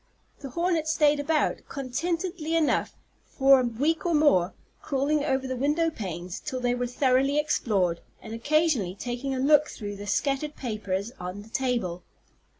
The hornet stayed about, contentedly enough, for a week or more, crawling over the window panes till they were thoroughly explored, and occasionally taking a look through the scattered papers on the table.